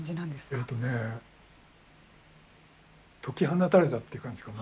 えっとね解き放たれたって感じかな。